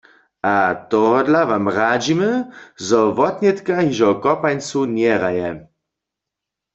A tohodla Wam radźimy, zo wotnětka hižo kopańcu njehraje.